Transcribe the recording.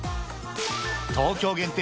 東京限定